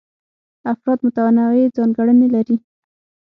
افراد متنوع ځانګړنې لري.